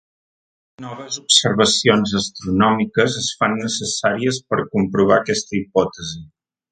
Noves observacions astronòmiques es fan necessàries per a comprovar aquesta hipòtesi.